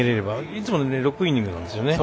いつも６イニングなんですよね。